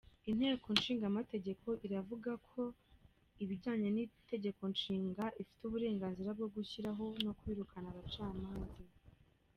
Intego nshingamategeko iravuga ko, bijyanye n'itegekonshinga, ifite uburenganzira bwo gushyiraho no kwirukana abacamanza.